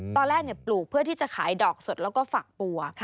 ปลูกเพื่อที่จะขายดอกสดแล้วก็ฝักบัว